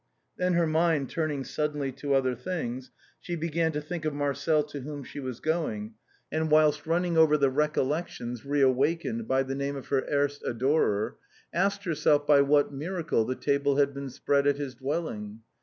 Then her mind turning suddenly to other things, she 262 THE BOHEMIANS OF THE LATIN QUARTER. began to think of Marcel to whom she was going, and whilst running over the recollections re awakened by the name of her erst adorer, asked herself by what miracle the table had been spread at his dwelling.